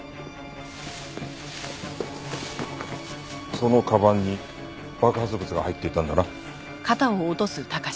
その鞄に爆発物が入っていたんだな？